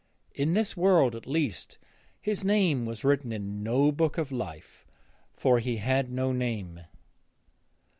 In this world, at least, his name was written in no book of life, for he had no name.